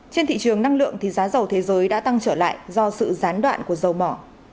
trên thị trường năng lượng thì giá dầu thế giới đã tăng trở lại do sự gián đoạn của dầu mỏ